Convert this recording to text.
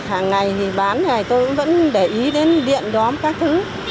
hàng ngày thì bán này tôi cũng vẫn để ý đến điện đón các thứ